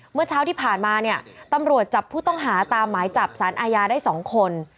เมื่อเช้าที่ผ่านมาเนี่ยตำรวจจับผู้ต้องหาตามหมายจับสารอาญาได้๒คน